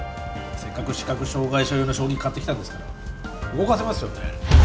せっかく視覚障害者用の将棋買ってきたんですから動かせますよね